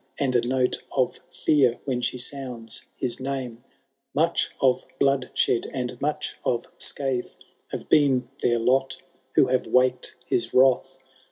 And a note of fear, when she sounds his name : Much of bloodshed and much of scathe Haye been their lot who have waked his wiath.